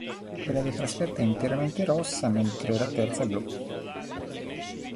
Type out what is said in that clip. Quella da trasferta è interamente rossa mentre la terza blu.